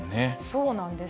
そうなんです。